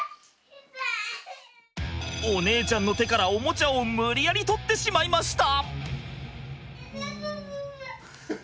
お姉ちゃんの手からおもちゃを無理やり取ってしまいました。